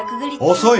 遅い！